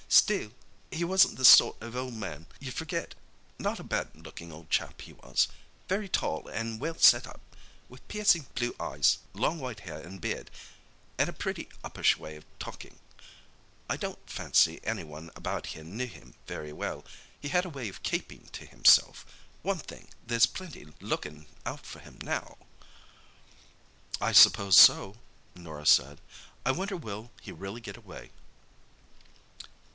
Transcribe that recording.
"Still, he wasn't the sort of old man you'd forget. Not a bad looking old chap, he was. Very tall and well set up, with piercin' blue eyes, long white hair an' beard, an' a pretty uppish way of talkin'. I don't fancy anyone about here knew him very well—he had a way of keepin' to himself. One thing, there's plenty lookin' out for him now." "I suppose so," Norah said. "I wonder will he really get away?"